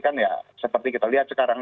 kan ya seperti kita lihat sekarang